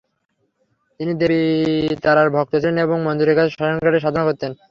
তিনি দেবী তারার ভক্ত ছিলেন এবং মন্দিরের কাছে শ্মশানঘাটে সাধনা করতেন।